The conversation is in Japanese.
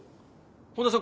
本田さん